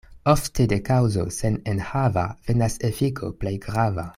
Ofte de kaŭzo senenhava venas efiko plej grava.